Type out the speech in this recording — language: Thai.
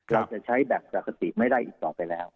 เราจะใช้แบบปกติไม่ได้อีกต่อไปแล้ว